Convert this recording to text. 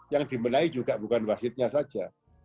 yang dimenai juga bukan wasidnya saja